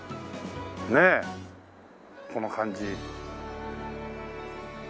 ねえこの感じ。